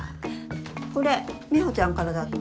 これ美帆ちゃんからだって。